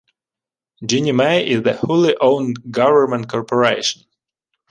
Ginnie Mae is a wholly owned government corporation.